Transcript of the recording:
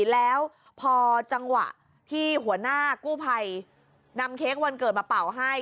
แล้วพอจังหวะที่หัวหน้ากู้ภัยนำเค้กวันเกิดมาเป่าให้